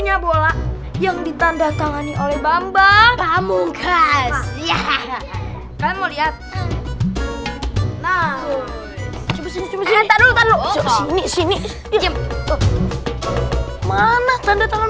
yang ditanda tangani oleh bamba pamunggas ya kan mau lihat nah coba coba dulu sini sini mana tanda tangan